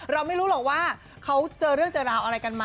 เราไม่รู้หรอกว่าเขาเจอเรื่องเจอราวอะไรกันมา